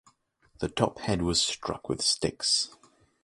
The top head was struck with sticks.